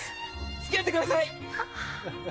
付き合ってください！